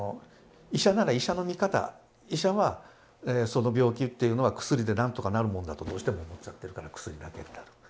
医者なら医者の見方医者はその病気っていうのは薬で何とかなるもんだとどうしても思っちゃってるから薬だけになる。